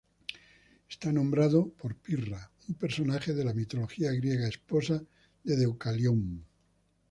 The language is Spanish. Está nombrado por Pirra, un personaje de la mitología griega, esposa de Deucalión.